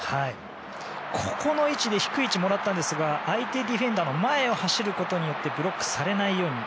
ここの位置低い位置でもらったんですが相手ディフェンダーの前を走ることによってブロックされないように。